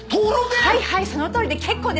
はいはいそのとおりで結構です！